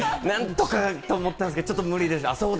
何とかと思ったんですけれども、無理でした。